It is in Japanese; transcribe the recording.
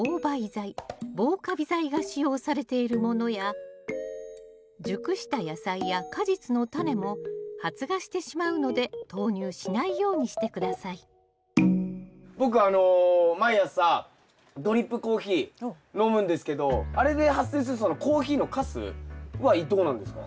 剤防かび剤が使用されているものや熟した野菜や果実のタネも発芽してしまうので投入しないようにして下さい僕あの毎朝ドリップコーヒー飲むんですけどあれで発生するそのコーヒーのかすはどうなんですか？